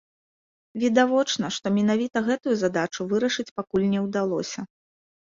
Відавочна, што менавіта гэтую задачу вырашыць пакуль не ўдалося.